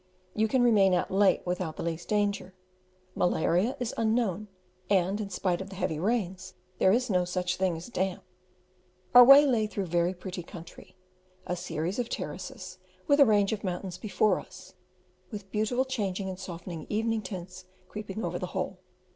You can remain out late without the least danger. Malaria is unknown, and, in spite of the heavy rains, there is no such thing as damp. Our way lay through very pretty country a series of terraces, with a range of mountains before us, with beautiful changing and softening evening tints creeping over the whole.